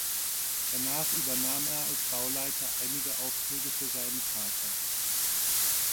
Danach übernahm er als Bauleiter einige Aufträge für seinen Vater.